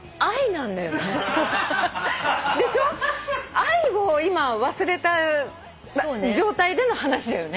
愛を今忘れた状態での話だよね？